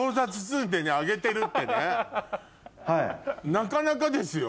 なかなかですよ。